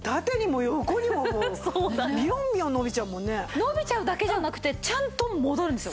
伸びちゃうだけじゃなくてちゃんと戻るんですよ。